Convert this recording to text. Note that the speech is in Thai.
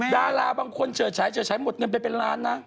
ดาราบางคนเฉิดฉายเฉิดฉายหมดเงินไปเป็นล้านนะ